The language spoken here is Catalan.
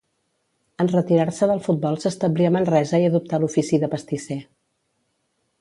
En retirar-se del futbol s'establí a Manresa i adoptà l'ofici de pastisser.